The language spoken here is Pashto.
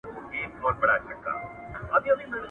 فشار د نا امیدۍ احساس پیدا کوي.